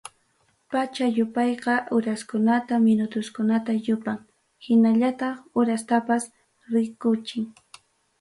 Pacha yupayqa, uraskunata, minutuskunata yupan hinallataq uratapas rikuchin.